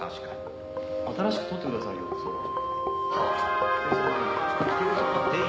新しく取ってくださいよそば。